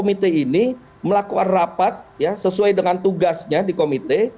komite ini melakukan rapat ya sesuai dengan tugasnya di komite